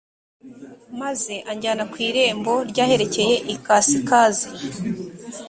maze anjyana ku irembo ry aherekeye ikasikazi